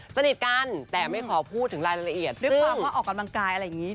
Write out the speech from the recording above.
สนิทกันแต่ไม่ขอพูดถึงรายละเอียดด้วยความว่าออกกำลังกายอะไรอย่างนี้